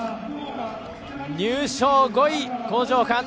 入賞、５位、興譲館。